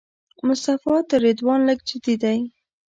مصطفی تر رضوان لږ جدي دی.